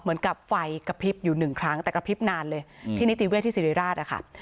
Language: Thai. เหมือนกับไฟกระพริบอยู่หนึ่งครั้งแต่กระพริบนานเลยที่นิติเวศที่สิริราชอะค่ะ